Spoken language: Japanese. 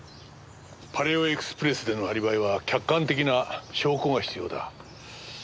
パレオエクスプレスでのアリバイは客観的な証拠が必要だ。